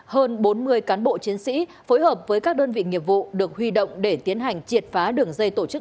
hơn bốn mươi cán bộ chiến sĩ phối hợp với các đơn vị nghiệp vụ được huy động để tiến hành triệt phá đường dây tổ chức